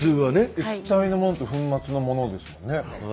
液体のものと粉末のものですもんね。